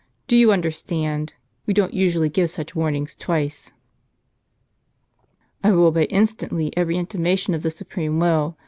Do you understand ? We don't usually give such warnings twice." " I will obey instantly everj^ intimation of the supreme will.